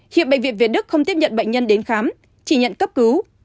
hiện bệnh viện việt đức không tiếp nhận bệnh nhân đến khám chỉ nhận cấp cứu